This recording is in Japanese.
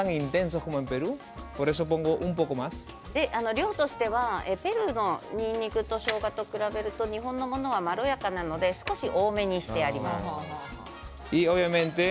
量としてはペルーのにんにくとしょうがと比べると日本のものはまろやかなので少し多めにしてあります。